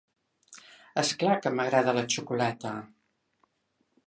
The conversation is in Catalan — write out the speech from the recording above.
És clar que m'agrada la xocolata!